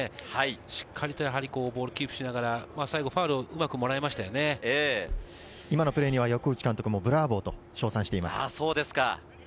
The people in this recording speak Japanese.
しっかりとボールをキープしながら今のプレーには横内監督もブラーボと称賛しています。